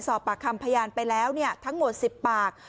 สอบปากคำพยานไปแล้วทั้งหมด๑๐ปาก